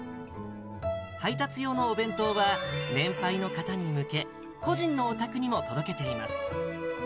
配達用のお弁当は、年配の方に向け、個人のお宅にも届けています。